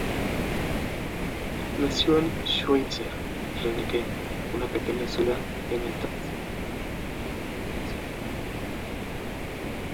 Nació en Schweitzer-Renecke, una pequeña ciudad en el Transvaal, de padres judeo-alemanes.